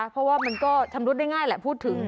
เพราะว่ามันก็ชำรุดได้ง่ายแหละพูดถึง